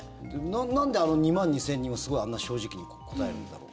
なんであの２万２０００人はすごいあんな正直に答えるんだろう。